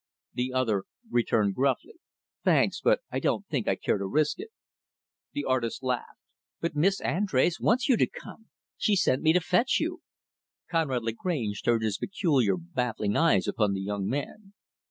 The other returned gruffly, "Thanks; but I don't think I care to risk it." The artist laughed. "But Miss Andrés wants you to come. She sent me to fetch you." Conrad Lagrange turned his peculiar, baffling eyes upon the young man.